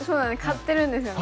飼ってるんですよね。